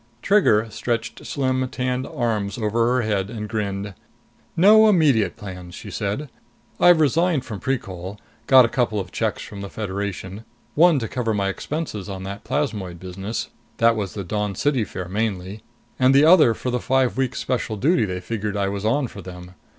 Trigger stretched slim tanned arms over her head and grinned. "No immediate plans!" she said. "I've resigned from Precol. Got a couple of checks from the Federation. One to cover my expenses on that plasmoid business that was the Dawn City fare mainly and the other for the five weeks special duty they figured I was on for them.